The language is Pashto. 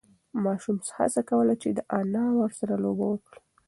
ماشوم هڅه کوله چې انا ورسره لوبه وکړي.